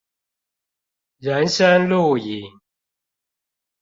人生路引